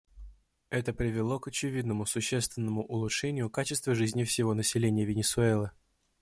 Это привело к очевидному существенному улучшению качества жизни всего населения Венесуэлы.